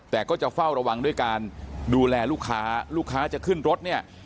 แต่ก็จะเฝ้าระวังด้วยการดูแลลูกค้าลูกค้าจะขึ้นรถเนี่ย